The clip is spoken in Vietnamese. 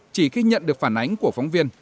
chỉ khi nhận được phản ánh của phóng viên